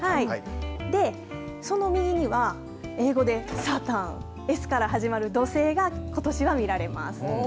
その右には、英語でサターンＳから始まる土星がことしは見られます。